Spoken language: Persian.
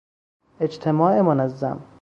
اجتماع منظم